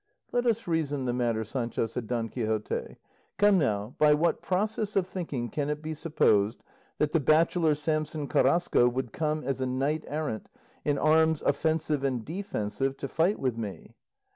"Let us reason the matter, Sancho," said Don Quixote. "Come now, by what process of thinking can it be supposed that the bachelor Samson Carrasco would come as a knight errant, in arms offensive and defensive, to fight with me?